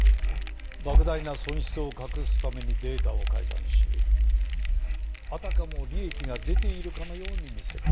莫大な損失を隠すためにデータを改ざんしあたかも利益が出ているかのように見せかけた。